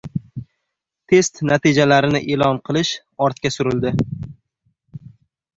Test natijalarini e’lon qilish ortga surildi